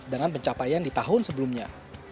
dengan pencapaian di tahun sebelumnya